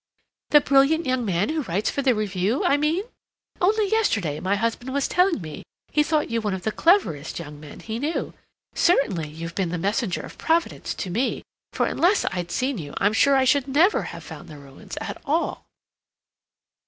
"The brilliant young man who writes for the Review, I mean? Only yesterday my husband was telling me he thought you one of the cleverest young men he knew. Certainly, you've been the messenger of Providence to me, for unless I'd seen you I'm sure I should never have found the ruins at all."